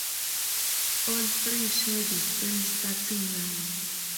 All three share the same starting line.